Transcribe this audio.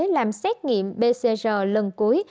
làm xét nghiệm pcr lần cuối